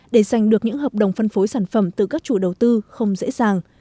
để giành được những hợp đồng phân phối sản phẩm từ các chủ đầu tư không dễ dàng